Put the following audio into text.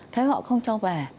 thế họ không cho về